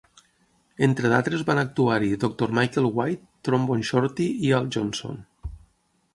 Entre d'altres, van actuar-hi Doctor Michael White, Trombone Shorty i Al Johnson.